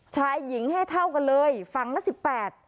ชายหญิงให้เท่ากันเลยฝังละ๑๘